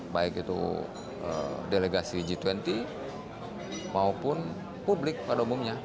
baik itu delegasi g dua puluh maupun publik pada umumnya